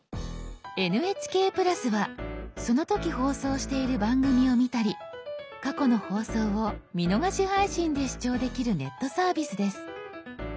「ＮＨＫプラス」はその時放送している番組を見たり過去の放送を「見逃し配信」で視聴できるネットサービスです。